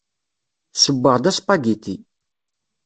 Ssewweɣ-d aspagiti.